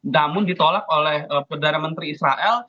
namun ditolak oleh perdana menteri israel